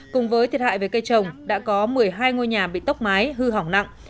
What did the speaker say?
cùng với thiệt hại về cây trồng đã có một mươi hai ngôi nhà bị tốc mái hư hỏng nặng